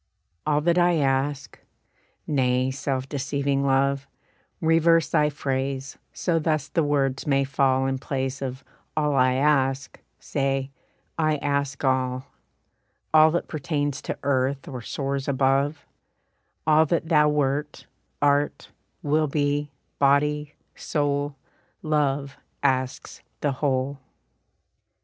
"All that I ask" nay, self deceiving Love, Reverse thy phrase, so thus the words may fall, In place of "all I ask," say, "I ask all," All that pertains to earth or soars above, All that thou wert, art, will be, body, soul, Love asks the whole.